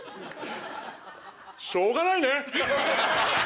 しょうがないね！